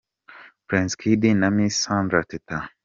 Prince Kid na Miss Sandra Teta.